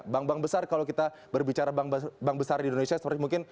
bank bank besar kalau kita berbicara bank besar di indonesia seperti mungkin